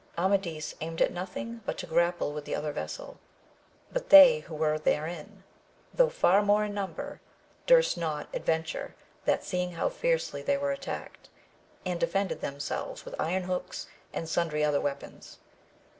Amadis aimed at nothing but to grapple with the other vessel ; but they who were therein, though far more in number, durst not adventure that, seeing how fiercely they were attacked, and defended themselves with iron hooks, and sundry other weapons.